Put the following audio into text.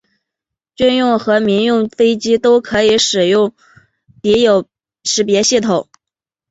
军用和民用飞机都可以使用敌友识别系统。